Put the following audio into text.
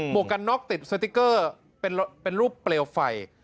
วกกันน็อกติดสติ๊กเกอร์เป็นรูปเปลวไฟ